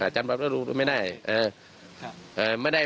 หารถตู้ไม่ได้